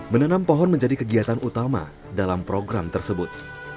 menanam pohon menjadi kegiatan utama dalam program tersebut